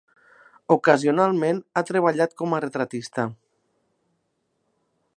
Ocasionalment ha treballat com a retratista.